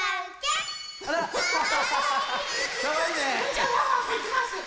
じゃあワンワンもいきます。